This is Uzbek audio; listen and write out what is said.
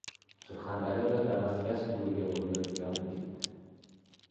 Surxondaryoda «Damas» gaz quvuriga urilib, yonib ketdi